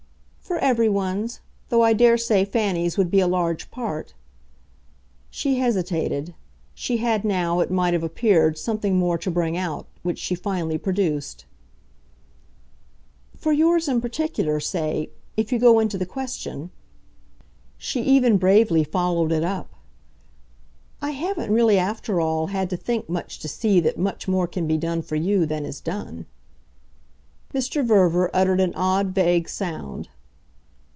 "For everyone's though I dare say Fanny's would be a large part." She hesitated; she had now, it might have appeared, something more to bring out, which she finally produced. "For yours in particular, say if you go into the question." She even bravely followed it up. "I haven't really, after all, had to think much to see that much more can be done for you than is done." Mr. Verver uttered an odd vague sound.